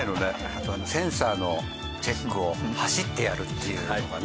あのセンサーのチェックを走ってやるっていうのがね。